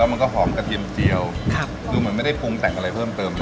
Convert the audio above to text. มันก็หอมกระเทียมเจียวคือเหมือนไม่ได้ปรุงแต่งอะไรเพิ่มเติมเลย